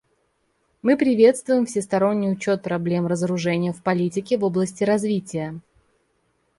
Мы приветствуем всесторонний учет проблем разоружения в политике в области развития.